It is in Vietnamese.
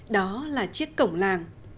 đó là chiếc cổng làng